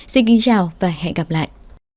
xin kính chào và hẹn gặp lại